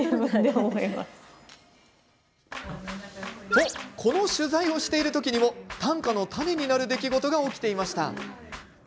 と、この取材をしている時にも短歌の種になる出来事が起きていました。